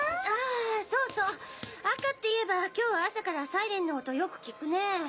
ああそうそう赤っていえば今日は朝からサイレンの音よく聞くねぇ。